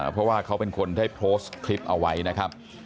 เพราะว่าเขาเป็นคนได้โพสต์คลิปเอาไว้นะครับ